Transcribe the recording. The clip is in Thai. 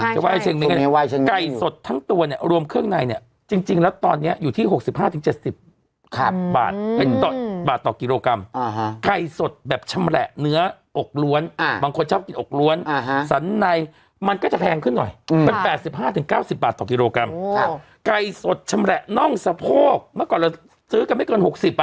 เชียงใหม่ไก่สดทั้งตัวเนี่ยรวมเครื่องในเนี่ยจริงแล้วตอนนี้อยู่ที่๖๕๗๐บาทเป็นบาทต่อกิโลกรัมไข่สดแบบชำแหละเนื้ออกล้วนบางคนชอบกินอกล้วนสันในมันก็จะแพงขึ้นหน่อยมัน๘๕๙๐บาทต่อกิโลกรัมไก่สดชำแหละน่องสะโพกเมื่อก่อนเราซื้อกันไม่เกิน๖๐